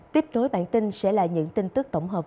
tiếp nối bản tin sẽ là những tin tức tổng hợp